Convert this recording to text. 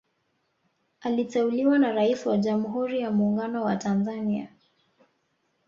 Aliteuliwa na Rais wa Jamhuri ya muungano wa Tanzania